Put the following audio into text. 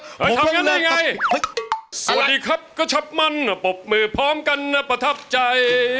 ทำอย่างนั้นได้ไงสวัสดีครับก็ชับมั่นปรบมือพร้อมกันนะประทับใจ